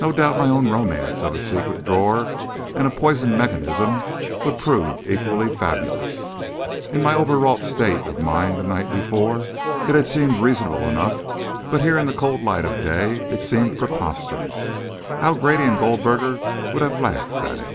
No doubt my own romance of a secret drawer and a poisoned mechanism would prove equally fabulous. In my over wrought state of the night before, it had seemed reasonable enough; but here, in the cold light of day, it seemed preposterous. How Grady and Goldberger would have laughed at it!